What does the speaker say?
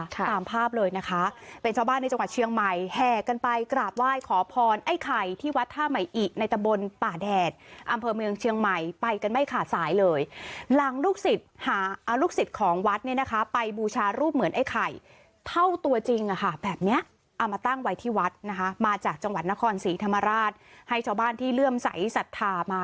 ตามภาพเลยนะคะเป็นชาวบ้านในจังหวัดเชียงใหม่แห่กันไปกราบไหว้ขอพรไอ้ไข่ที่วัดท่าใหม่อิในตะบนป่าแดดอำเภอเมืองเชียงใหม่ไปกันไม่ขาดสายเลยหลังลูกศิษย์หาเอาลูกศิษย์ของวัดเนี่ยนะคะไปบูชารูปเหมือนไอ้ไข่เท่าตัวจริงอ่ะค่ะแบบเนี้ยเอามาตั้งไว้ที่วัดนะคะมาจากจังหวัดนครศรีธรรมราชให้ชาวบ้านที่เลื่อมใสสัทธามา